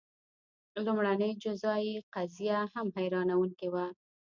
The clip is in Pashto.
لومړنۍ جزايي قضیه هم حیرانوونکې وه.